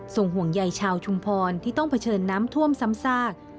ห่วงใยชาวชุมพรที่ต้องเผชิญน้ำท่วมซ้ำซาก